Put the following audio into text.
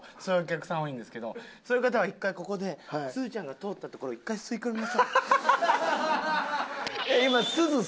そういうお客さん多いんですけどそういう方は一回ここですずちゃんが通った所を一回吸い込みましょう。